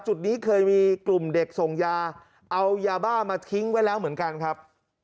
จุดนี้เคยมีกลุ่มเด็กส่งยาเอายาบ้ามาทิ้งไว้แล้วเหมือนกันครับ